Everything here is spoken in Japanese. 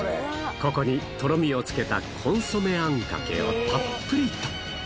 ここにとろみをつけたコンソメあんかけをたっぷりと。